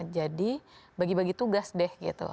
jadi bagi bagi tugas deh gitu